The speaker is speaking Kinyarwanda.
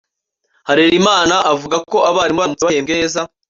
Harerimana avuga ko abarimu baramutse bahembwe neza